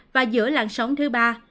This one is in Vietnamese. và giữa làn sóng thứ ba